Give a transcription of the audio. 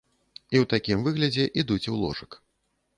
І ў такім выглядзе ідуць у ложак.